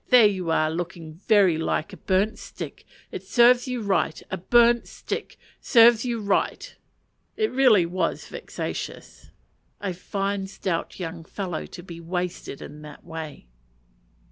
There you are, looking very like a burnt stick! It serves you right a burnt stick! Serves you right!" It really was vexatious. A fine stout young fellow to be wasted in that way.